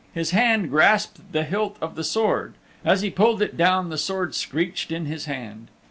His hand grasped the hilt of the Sword. As he pulled it down the Sword screeched in his hand.